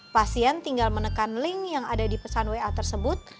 pasien tinggal menekan link yang ada di pesan wa tersebut